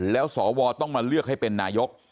แล้วสวต้องมาเลือกให้เป็นนายก